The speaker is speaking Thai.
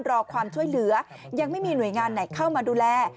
รอความช่วยเหลือยังไม่มีหน่วยงานไหนเข้ามาดูแล